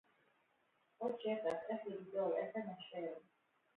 עוד שטח, איך לגזול, איך לנשל